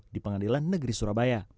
di pengadilan negeri surabaya